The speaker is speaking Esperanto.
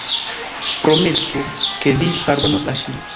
Promesu, ke vi pardonos al ŝi!